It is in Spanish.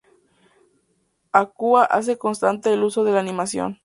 Aqua hace constante el uso de la animación.